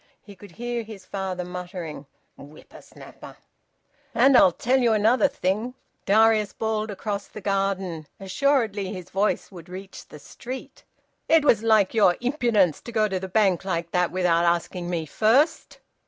He could hear his father muttering "Whipper snapper!" "And I'll tell you another thing," Darius bawled across the garden assuredly his voice would reach the street. "It was like your impudence to go to the Bank like that without asking me first!